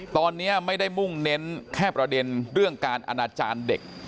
ตอนนี้ไม่ได้มุ่งเน้นแค่ประเด็นเรื่องการอนาจารย์เด็ก